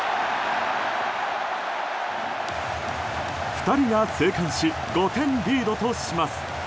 ２人が生還し５点リードとします。